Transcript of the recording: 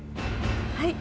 はい。